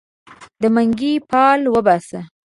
د منګې فال وباسه